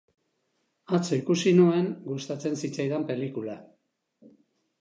Atzo ikusi nuen gustatzen zitzaidan pelikula.